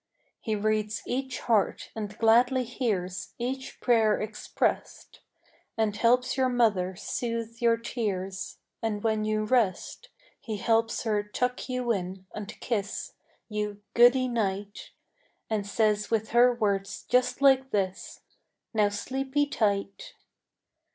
He reads each heart and gladly hears Each prayer expressed, And helps your mother soothe your tears; And when you rest, He helps her tuck you in and kiss You "Goodie Night," And says with her words just like this, "Now sleepie tight."